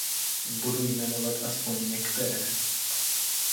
Budu jmenovat aspoň některé.